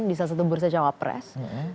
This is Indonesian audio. di salah satu bursa cawa press